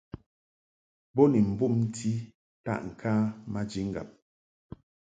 Bo ni mbumti taʼŋka maji ŋgab.